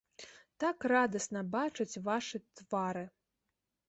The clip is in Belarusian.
Так радасна бачыць вашы твары!